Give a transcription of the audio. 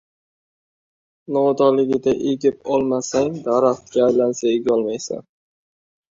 • Novdaligida egib olmasang, daraxtga aylansa egolmaysan.